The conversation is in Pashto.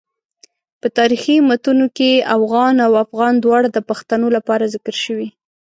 په تاریخي متونو کې اوغان او افغان دواړه د پښتنو لپاره ذکر شوي.